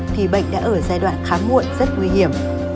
thì bệnh đã ở giai đoạn khám muộn rất nguy hiểm